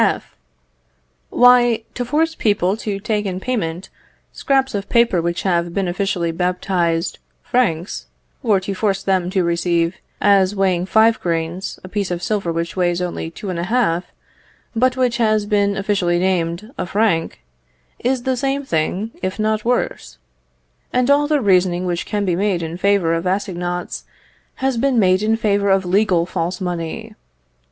F. Why, to force people to take in payment scraps of paper which have been officially baptized francs, or to force them to receive, as weighing five grains, a piece of silver which weighs only two and a half, but which has been officially named a franc, is the same thing, if not worse; and all the reasoning which can be made in favour of assignats has been made in favour of legal false money.